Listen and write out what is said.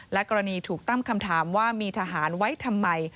กรณีถูกตั้งคำถามว่ามีทหารไว้ทำไม